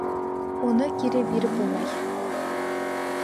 Уны кире биреп булмай!